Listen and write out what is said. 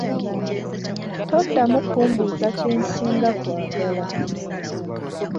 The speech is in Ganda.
Todamu kumbuza kyensinga kwagala.